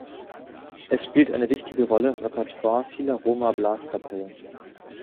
Es spielt eine wichtige Rolle im Repertoire vieler Roma-Blaskapellen.